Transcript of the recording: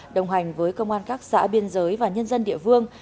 đồng hành với công an các xã biên giới và nhân dân địa phương